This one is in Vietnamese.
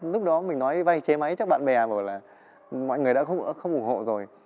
lúc đó mình nói vay chế máy chắc bạn bè bảo là mọi người đã không ủng hộ rồi